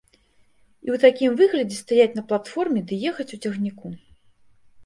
І ў такім выглядзе стаяць на платформе ды ехаць у цягніку.